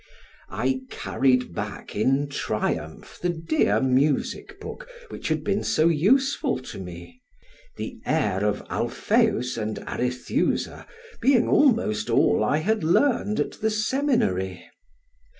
I carried back in triumph the dear music book, which had been so useful to me, the air of Alpheus and Arethusa being almost all I had learned at the seminary.